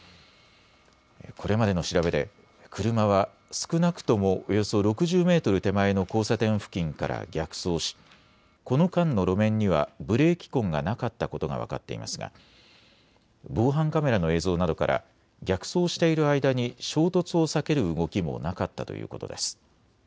これまでの調べで車は少なくともおよそ６０メートル手前の交差点付近から逆走しこの間の路面にはブレーキ痕がなかったことが分かっていますが防犯カメラの映像などから逆走している間に衝突を避ける動きもなかったということです。